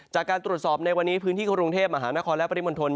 จากการตรวจสอบในวันนี้พื้นที่กรุงเทพมหานครและปริมณฑล